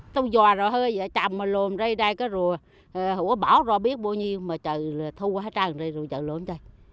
tông dò rồi hơi chậm mà lùm đây đây có rùa hổ bảo rùa biết bao nhiêu mà trừ thu qua trang rồi trở lùm đây